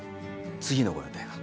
次のご予定が。